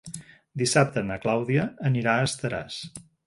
Dissabte na Clàudia anirà a Estaràs.